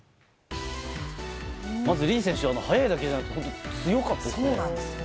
まずリー選手は速いだけじゃなくて強かったですね。